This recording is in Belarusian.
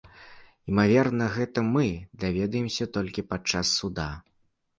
Імаверна, гэта мы даведаемся толькі падчас суда.